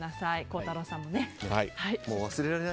孝太郎さんもね。